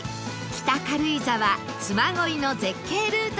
北軽井沢嬬恋の絶景ルートです